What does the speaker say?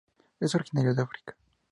Es originario de África.